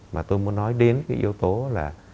và tôi muốn nói đến cái yếu tố là